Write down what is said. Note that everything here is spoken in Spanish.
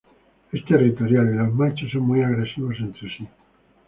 Es territorial, y los machos son muy agresivos entre sí.